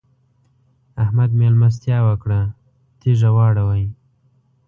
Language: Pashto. احمد؛ مېلمستيا وکړه - تيږه واړوئ.